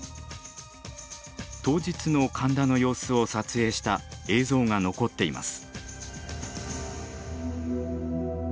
当日の神田の様子を撮影した映像が残っています。